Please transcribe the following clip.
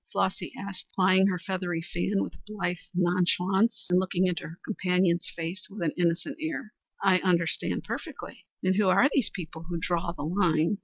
Flossy asked, plying her feathery fan with blithe nonchalance and looking into her companion's face with an innocent air. "I understand perfectly. And who are these people who draw the line?"